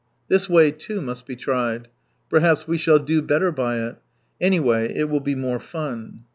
This way, too, must be tried. Perhaps we shall do better by it. ... Anyhow, it will be more fun.